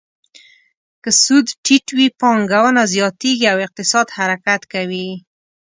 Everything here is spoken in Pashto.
که سود ټیټ وي، پانګونه زیاتیږي او اقتصاد حرکت کوي.